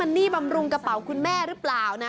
มนิคเบิ้ลของกระเป๋าของคุณแม่หรือเปล่านะ